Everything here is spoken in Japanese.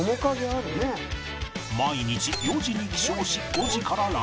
毎日４時に起床し５時からランニング